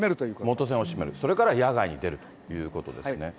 元栓を閉める、それから野外に出るということですね。